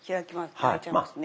開いちゃいますね。